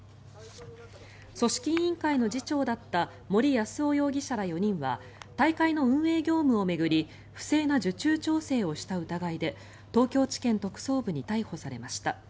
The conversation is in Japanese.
組織委員会の次長だった森泰夫容疑者ら４人は大会の運営業務を巡り不正な受注調整をした疑いで東京地検特捜部に逮捕されました。